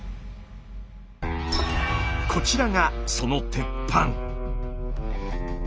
こちらがその鉄板。